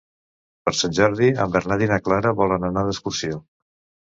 Per Sant Jordi en Bernat i na Carla volen anar d'excursió.